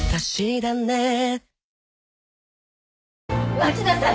待ちなさい！